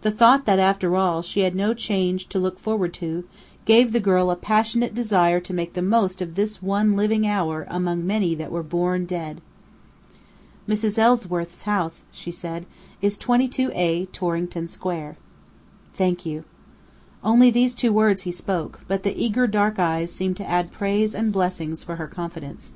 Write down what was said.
The thought that, after all, she had no change to look forward to, gave the girl a passionate desire to make the most of this one living hour among many that were born dead. "Mrs. Ellsworth's house," she said, "is 22 A, Torrington Square." "Thank you." Only these two words he spoke, but the eager dark eyes seemed to add praise and blessings for her confidence.